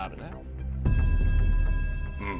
うん。